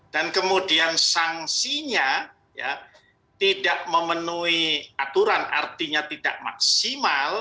dan kemudian sanksinya tidak memenuhi aturan artinya tidak maksimal